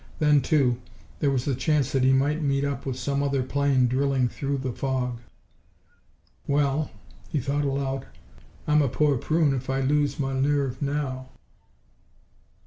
Then too, there was the chance that he might meet up with some other plane drilling through the fog. "Well," he thought aloud, "I'm a poor prune if I lose my nerve now.